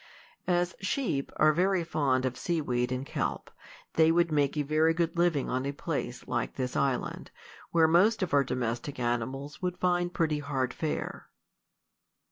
As sheep are very fond of sea weed and kelp, they would make a very good living on a place like this island, where most of our domestic animals would find pretty hard fare.